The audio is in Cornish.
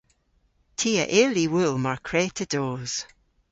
Ty a yll y wul mar kwre'ta dos.